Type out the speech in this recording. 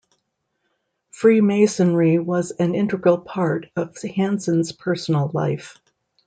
Freemasonry was an integral part of Hanson's personal life.